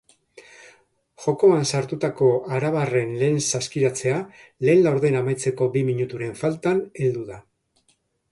Jokoan sartutako arabarren lehen saskiratzea lehen laurdena amaitzeko bi minuturen faltan heldu da.